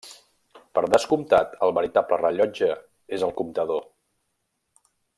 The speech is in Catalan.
Per descomptat, el veritable rellotge és el comptador.